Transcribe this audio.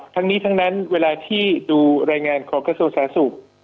ทั้งนี้ทั้งนั้นเวลาที่ดูรายงานของกระโสสาศุกร์